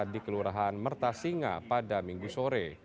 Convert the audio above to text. di kelurahan merta singa pada minggu sore